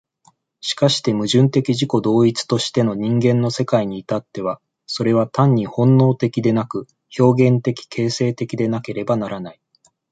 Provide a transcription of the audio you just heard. しかして矛盾的自己同一としての人間の世界に至っては、それは単に本能的でなく、表現的形成的でなければならない。